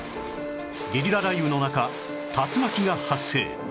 ゲリラ雷雨の中竜巻が発生